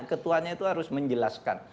ketuanya itu harus menjelaskan